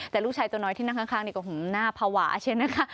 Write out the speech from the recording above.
แต่ลูกชายตัวน้อยที่นั่งข้างนี่ก็หน้าภาวะใช่ไหมคะ